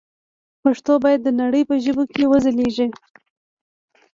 پښتو باید د نړۍ په ژبو کې وځلېږي.